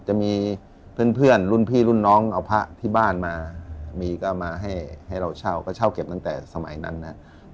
จะมีเพื่อนรุ่นพี่รุ่นน้องเอาพระที่บ้านมามีก็มาให้เราเช่าก็เช่าเก็บตั้งแต่สมัยนั้นนะครับ